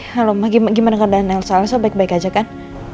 halo ma gimana keadaan elsa elsa baik baik aja kan